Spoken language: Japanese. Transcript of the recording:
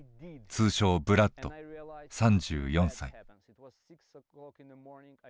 通称ブラッド３４歳。